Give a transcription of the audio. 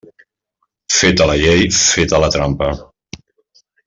Feta la llei, feta la trampa.